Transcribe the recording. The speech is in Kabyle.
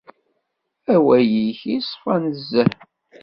Awal-ik iṣfa nezzeh.